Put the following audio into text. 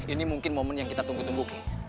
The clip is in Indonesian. ini mungkin momen yang kita tunggu tunggu